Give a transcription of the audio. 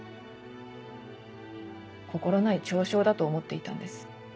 心ない嘲笑だと思っていたんです。